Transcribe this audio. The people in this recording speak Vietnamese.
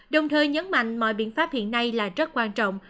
đồng thời nhấn mạnh mọi biện pháp hiện nay là rất quan trọng